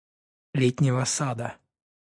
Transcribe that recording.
Летнего Сада.